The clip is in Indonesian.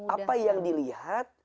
apa yang dilihat